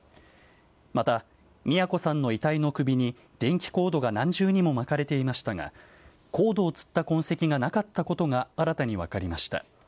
また、美也子さんの遺体の首に電気コードが何重にも巻かれていましたがコードをつった痕跡がなかったことが新たに分かりました。